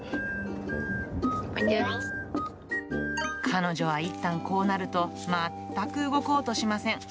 彼女はいったんこうなると、全く動こうとしません。